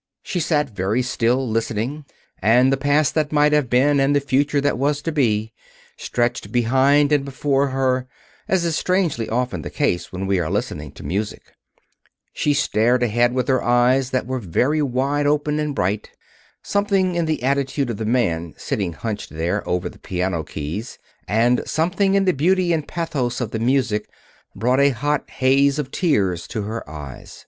She sat very still, listening, and the past that might have been, and the future that was to be, stretched behind and before her, as is strangely often the case when we are listening to music. She stared ahead with eyes that were very wide open and bright. Something in the attitude of the man sitting hunched there over the piano keys, and something in the beauty and pathos of the music brought a hot haze of tears to her eyes.